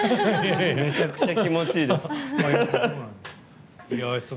めちゃくちゃ気持ちいいです。